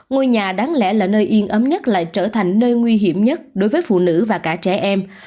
ngôi nhà đáng lẽ là nơi yên ấm nhất lại trở thành nơi nguy hiểm nhất đối với phụ nữ và cả trẻ em